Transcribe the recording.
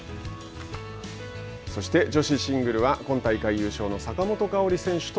そして、女子シングルは今大会優勝の坂本花織選手と。